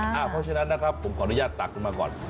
เพราะฉะนั้นนะครับผมขออนุญาตตักลงมาก่อน